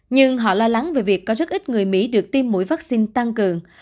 nhưng họ lo lắng về việc có rất ít người mỹ được tiêm mũi vaccine tăng cường